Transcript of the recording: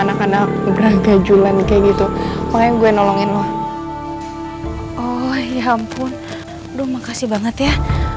anak anak braga julen kayak gitu makanya gue nolongin loh oh ya ampun aduh makasih banget ya